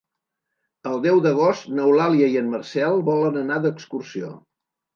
El deu d'agost n'Eulàlia i en Marcel volen anar d'excursió.